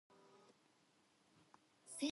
‘So I was,’ he said.